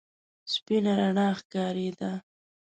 سپينه رڼا ښکارېده.